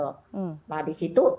nah di situ